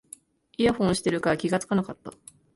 イヤホンしてるから気がつかなかった